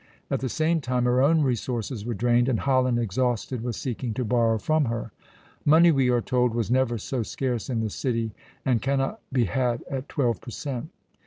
At the same time her own resources were drained, and Holland, exhausted, was seeking to borrow from her. "Money," we are told, "was never so scarce in the city, and cannot be had at twelve per cent."